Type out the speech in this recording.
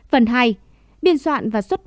phần hai biên soạn và xuất phẩm